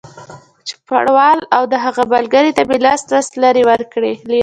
چوپړوال او د هغه ملګري ته مې لس لس لېرې ورکړې.